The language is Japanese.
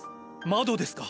窓ですか。